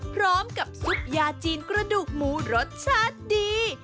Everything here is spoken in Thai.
พร้อมกับซุปยาจีนกระดูกหมูรสชาติดี